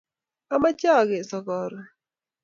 Amache akeso karun